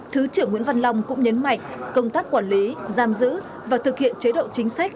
thứ trưởng nguyễn văn long cũng nhấn mạnh công tác quản lý giam giữ và thực hiện chế độ chính sách